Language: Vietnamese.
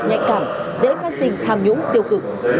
nhạy cảm dễ phát sinh tham nhũng tiêu cực